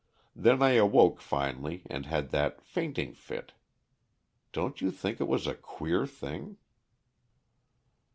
Then I awoke finally and had that fainting fit. Don't you think it was a queer thing?"